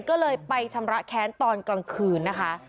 ก็เลยไปชำระแค้นตอนกลางคืนนะคะ